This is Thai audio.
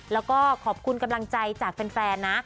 แล้วก็ขอบคุณกำลังใจจากแฟนนะ